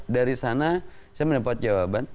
dari sana saya mendapat jawaban